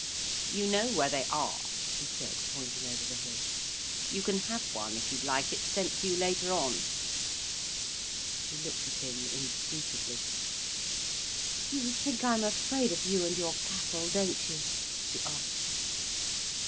"You know where they are," he said, pointing over the hill. "You can have one if you'd like it sent to you later on." She looked at him inscrutably. "You think I'm afraid of you and your cattle, don't you?" she asked.